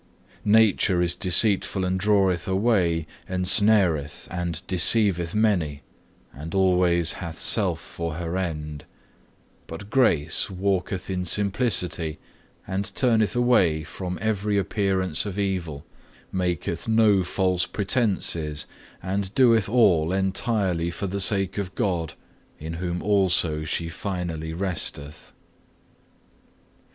2. "Nature is deceitful and draweth away, ensnareth, and deceiveth many, and always hath self for her end; but Grace walketh in simplicity and turneth away from every appearance of evil, maketh no false pretences, and doeth all entirely for the sake of God, in whom also she finally resteth.